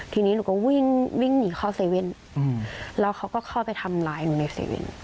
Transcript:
ทีนี้หนูก็วิ่งวิ่งหนีเข้าเซเว่นแล้วเขาก็เข้าไปทำร้ายหนูในเซเว่น